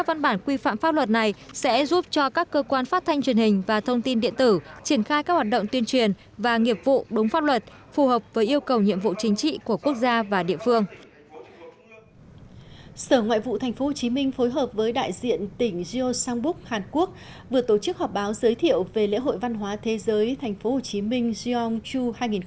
vừa tổ chức họp báo giới thiệu về lễ hội văn hóa thế giới tp hcm gyeongju hai nghìn một mươi bảy